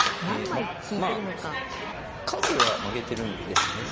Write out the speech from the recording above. まあ数は負けてるんですね